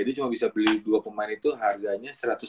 dia cuma bisa beli dua pemain itu harganya